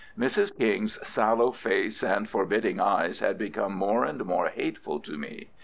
Mrs. King's sallow face and forbidding eyes had become more and more hateful to me.